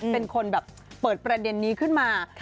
เป็นคนแบบเปิดประเด็นนี้ขึ้นมา